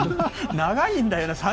長いんだよな